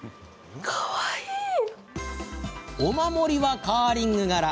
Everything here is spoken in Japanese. お守りはカーリング柄。